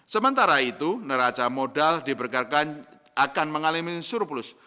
sementara itu neraca modal diperkirakan akan mengalami surplus